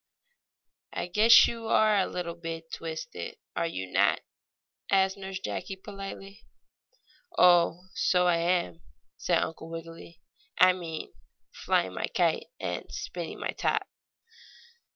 "I guess you are a little bit twisted; are you not?" asked Nurse Jane, politely. "Oh, so I am," said Uncle Wiggily. "I mean flying my kite and spinning my top."